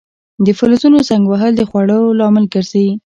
د فلزونو زنګ وهل د خوړلو لامل ګرځي.